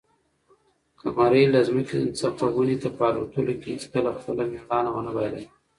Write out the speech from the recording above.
قمرۍ له ځمکې څخه ونې ته په الوتلو کې هیڅکله خپله مړانه ونه بایلله.